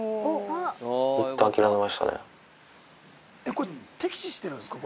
これ敵視してるんですか？